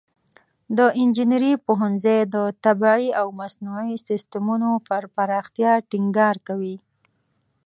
د انجینري پوهنځی د طبیعي او مصنوعي سیستمونو پر پراختیا ټینګار کوي.